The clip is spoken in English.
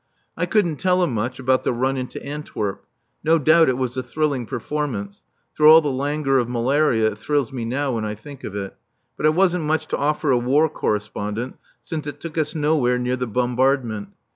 I couldn't tell him much about the run into Antwerp. No doubt it was a thrilling performance through all the languor of malaria it thrills me now when I think of it but it wasn't much to offer a War Correspondent, since it took us nowhere near the bombardment.